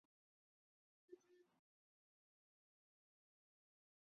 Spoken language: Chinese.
几经各项公文书往返及经费筹凑。